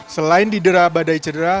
selain didera badai cedera